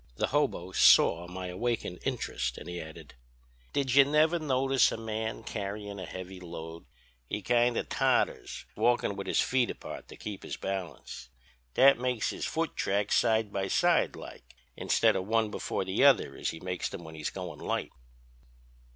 The hobo saw my awakened interest, and he added: "'Did you never notice a man carryin' a heavy load? He kind of totters, walkin' with his feet apart to keep his balance. That makes his foot tracks side by side like, instead of one before the other as he makes them when he's goin' light."'